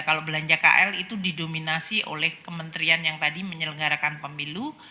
kalau belanja kl itu didominasi oleh kementerian yang tadi menyelenggarakan pemilu